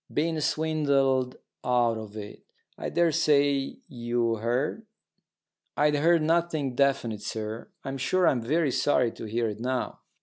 Been swindled out of it. I daresay you heard?" "I'd heard nothing definite, sir. I'm sure I'm very sorry to hear it now."